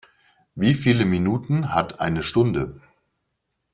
Wie viele Minuten hat eine Stunde?